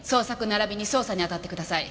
ならびに捜査に当たってください。